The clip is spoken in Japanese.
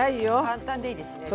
簡単でいいですね。